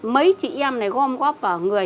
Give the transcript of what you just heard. mấy chị em này gom góp vào người